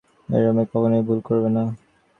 এই রুমে আর কখনোই ভুল করবে না।